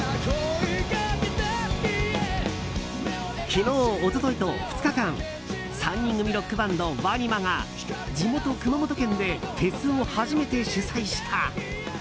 昨日、一昨日と２日間３人組ロックバンドＷＡＮＩＭＡが地元・熊本県でフェスを初めて主催した。